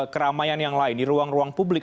keramaian yang lain di ruang ruang publik